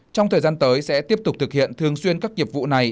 trong thời gian tới sẽ tiếp tục thực hiện thường xuyên các nhiệm vụ này